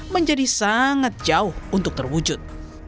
menjadi sangat jauh untuk terwujud